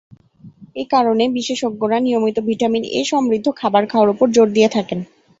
এ কারণে বিশেষজ্ঞরা নিয়মিত ভিটামিন এ সমৃদ্ধ খাবার খাওয়ার ওপর জোর দিয়ে থাকেন।